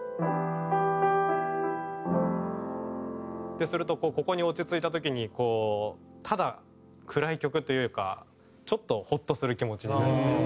ってするとここに落ち着いた時にこうただ暗い曲というかちょっとホッとする気持ちになる。